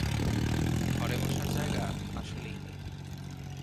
ঘরে বসার জায়গা আসলেই নেই।